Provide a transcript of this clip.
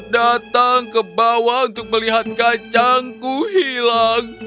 datang ke bawah untuk melihat kacangku hilang